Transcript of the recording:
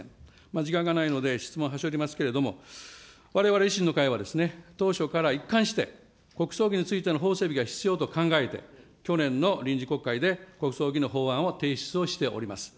時間がないので、質問をはしょりますけれども、われわれ維新の会は、当初から一貫して、国葬儀についての法整備が必要と考えて、去年の臨時国会で国葬儀の法案を提出をしております。